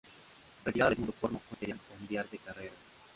Retirada del mundo porno, Fuentes quería cambiar de carrera.